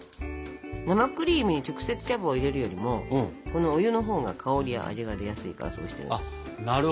生クリームに直接茶葉を入れるよりもこのお湯のほうが香りや味が出やすいからそうしてます。